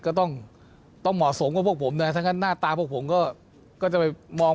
ก็ต้องต้องเหมาะสมกับพวกผมนะถ้างั้นหน้าตาพวกผมก็จะไปมอง